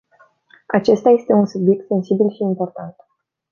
Acesta este un subiect sensibil și important.